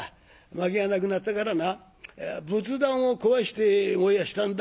薪がなくなったからな仏壇を壊して燃やしたんだ」。